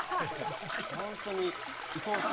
本当にいとおしい。